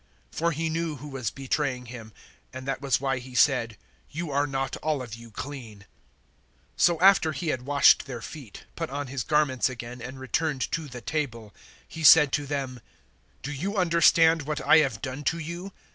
013:011 For He knew who was betraying Him, and that was why He said, "You are not all of you clean." 013:012 So after He had washed their feet, put on His garments again, and returned to the table, He said to them, "Do you understand what I have done to you?